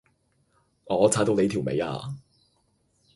我踩到你條尾呀？